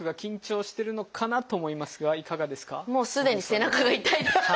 もうすでに背中が痛いです。